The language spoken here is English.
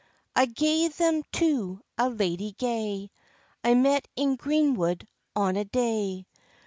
"I gae them to a ladye gay, I met in green wood on a day.